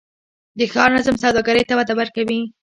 د ښار نظم سوداګرۍ ته وده ورکوي؟